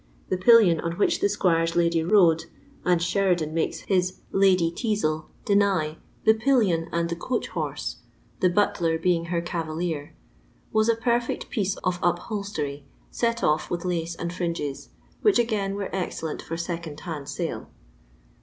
The pillion on which the squire's lady rode — and 8i|ridan makes his Lcidy Te<ule deny "the pinion and the coach horse," the butler being her cavalier — was a perfect piece of upholstery, set off with kce and fringes, which again were excellent for second hand sale.